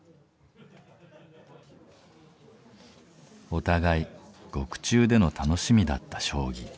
お互い獄中での楽しみだった将棋。